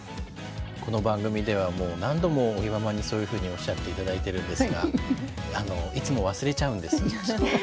この番組ではもう何度も尾木ママにそういうふうにおっしゃって頂いてるんですがいつも忘れちゃうんです。